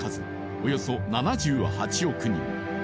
およそ７８億人